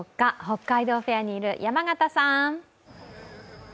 北海道フェアにいる山形さん。